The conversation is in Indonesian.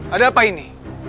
ada apa ini